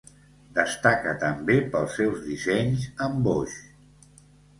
Destaca també pels seus dissenys amb boix.